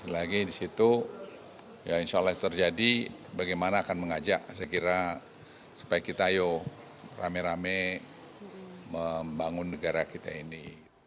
lagi di situ ya insya allah terjadi bagaimana akan mengajak saya kira supaya kita ayo rame rame membangun negara kita ini